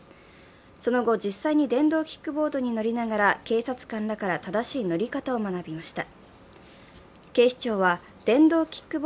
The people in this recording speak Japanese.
その後実際に電動キックボードに乗りながら警察官らから正しい乗り方を学びました。